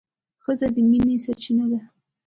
ښځه د مینې سرچینه ده.